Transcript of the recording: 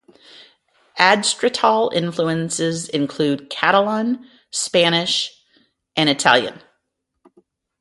Adstratal influences include Catalan, Spanish, and Italian.